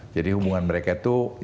jadi hubungan mereka itu